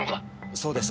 そうです。